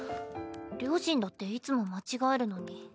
両親だっていつも間違えるのに。